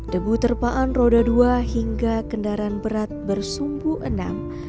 debu terpaan roda dua hingga kendaraan berat bersumbu enam